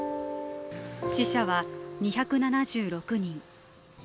死者は２７６人。